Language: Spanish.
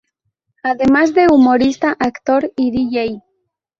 Además de humorista, actor y Dj.